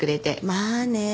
まあね。